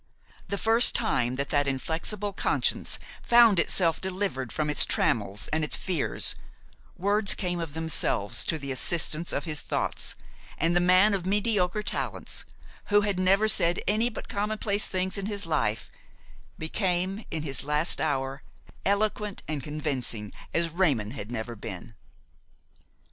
The first time that that inflexible conscience found itself delivered from its trammels and its fears, words came of themselves to the assistance of his thoughts, and the man of mediocre talents, who had never said any but commonplace things in his life, became, in his last hour, eloquent and convincing as Raymon had never been.